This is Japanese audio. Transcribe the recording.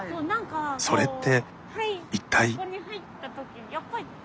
それって一体？